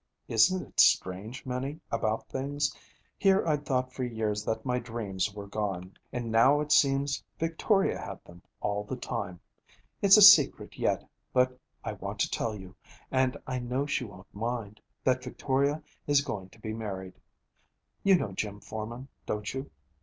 Isn't it strange, Minnie, about things? Here I'd thought for years that my dreams were gone. And now it seems Victoria had them, all the time. It's a secret yet, but I want to tell you, and I know she won't mind, that Victoria is going to be married. You know Jim Forman, don't you?